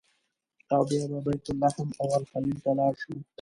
او بیا به بیت لحم او الخلیل ته لاړ شو.